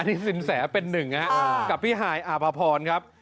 อีกตัว๕ปุ๊บเรียบร้อยค่ะ